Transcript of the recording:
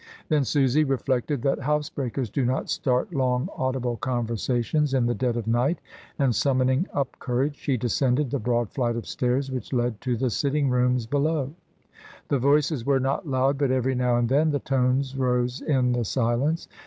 Then Susy reflected that housebreakers do not start long audible conversations in the dead of night, and summoning up courage, she descended the broad flight of stairs which led to the sitting rooms below; the voices were not loud, but every now and then the tones rose in the silence.